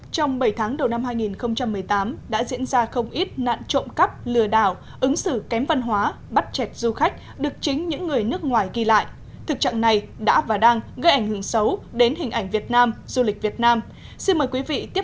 trong bảy tháng đầu năm hai nghìn một mươi tám đã diễn ra không ít nạn trộm cắp lừa đảo ứng xử kém văn hóa bắt chẹt du khách được chính những người nước ngoài ghi lại